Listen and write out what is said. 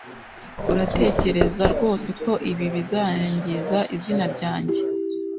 Uratekereza rwose ko ibi bizangiza izina ryanjye